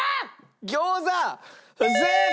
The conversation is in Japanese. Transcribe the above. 餃子正解！